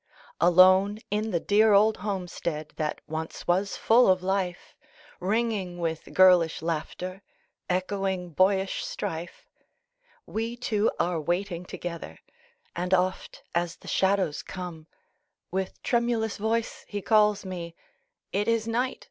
Alone in the dear old homestead That once was full of life, Ringing with girlish laughter, Echoing boyish strife, We two are waiting together; And oft, as the shadows come, With tremulous voice he calls me, "It is night!